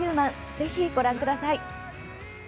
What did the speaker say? ぜひ、ご覧ください。